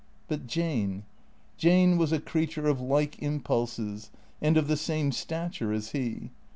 But Jane — Jane was a creature of like impulses and of the same stature as he.